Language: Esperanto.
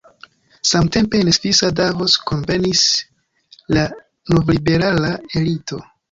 Samtempe en svisa Davos kunvenis la novliberala elito.